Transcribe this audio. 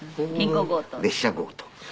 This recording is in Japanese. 列車強盗。